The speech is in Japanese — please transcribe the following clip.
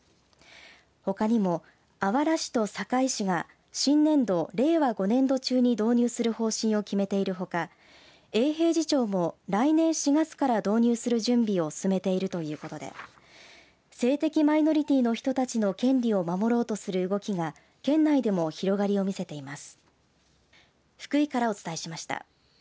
ほかにも、あわら市と坂井市が新年度、令和５年度中に導入する方針を決めているほか永平寺町も来年４月から導入する準備を進めているということで性的マイノリティーの人たちの権利を守ろうとする動きが県内でも広がりを見せています。